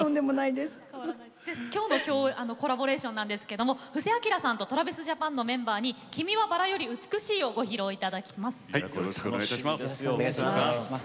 今日のコラボレーションですが布施明さんとＴｒａｖｉｓＪａｐａｎの皆さんに「君は薔薇より美しい」をコラボしてご披露していただきます。